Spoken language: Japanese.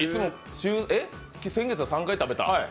先月は３回食べた？